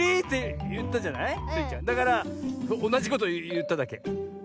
だからおなじこといっただけ。